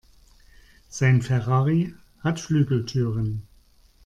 Sein Ferrari hat Flügeltüren.